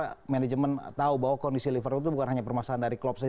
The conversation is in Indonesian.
karena manajemen tahu bahwa kondisi liverpool itu bukan hanya permasalahan dari klopp saja